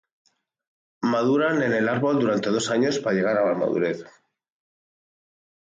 Maduran en el árbol durante dos años para llegar a la madurez.